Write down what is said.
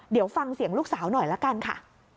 เดี๋ยวฟังเสียงลูกสาวหน่อยละกันค่ะ